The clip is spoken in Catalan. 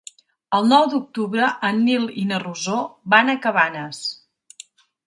El nou d'octubre en Nil i na Rosó van a Cabanes.